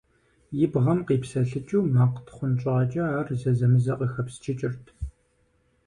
И бгъэм къипсэлъыкӀыу макъ тхъунщӀакӀэ ар зэзэмызэ къыхэпсчыкӀырт.